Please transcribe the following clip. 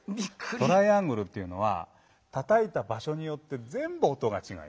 トライアングルっていうのはたたいたばしょによって全部音がちがいます。